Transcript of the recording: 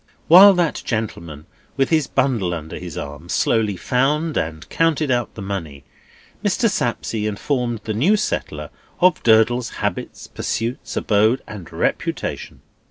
While that gentleman, with his bundle under his arm, slowly found and counted out the money, Mr. Sapsea informed the new settler of Durdles's habits, pursuits, abode, and reputation.